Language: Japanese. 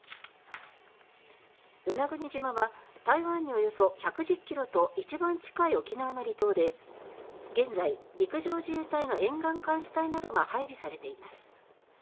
与那国島は台湾におよそ１１０ｋｍと一番近い沖縄の離島で現在、陸上自衛隊の沿岸監視隊などが配備されています。